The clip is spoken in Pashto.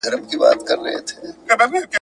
که دغه مېنه د احمدشاه وای !.